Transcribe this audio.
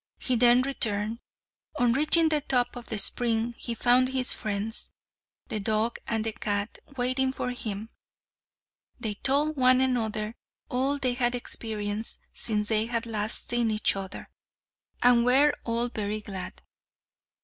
He then returned. On reaching the top of the spring he found his friends, the dog and the cat, waiting for him. They told one another all they had experienced since they had last seen each other, and were all very glad.